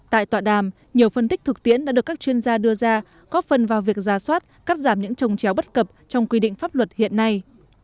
tại tọa đàm nhiều phân tích thực tiễn đã được các chuyên gia đưa ra góp phần vào việc ra soát cắt giảm những trồng chéo bất cập trong quy định pháp luật hiện nay